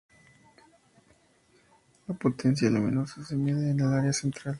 La potencia luminosa se mide en el área central.